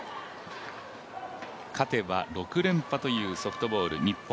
勝てば６連覇というソフトボール日本。